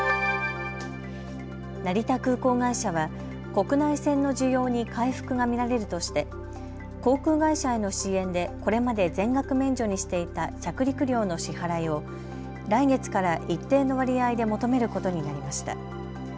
成田空港会社は国内線の需要に回復が見られるとして航空会社への支援でこれまで全額免除にしていた着陸料の支払いを来月から一定の割合で求めることになりました。